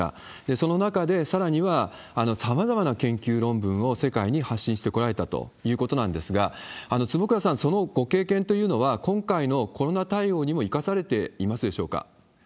その中で、さらにはさまざまな研究論文を世界に発信してこられたということなんですが、坪倉さん、そのご経験というのは、今回のコロナ対応にも生かされていますでしょうか？